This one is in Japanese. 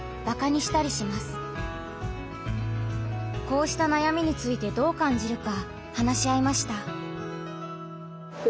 こうした悩みについてどう感じるか話し合いました。